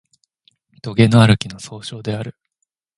とげのある木の総称である